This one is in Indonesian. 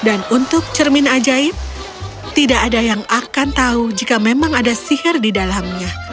dan untuk cermin ajaib tidak ada yang akan tahu jika memang ada sihir di dalamnya